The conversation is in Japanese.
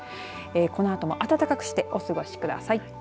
このあとも暖かくしてお過ごしください。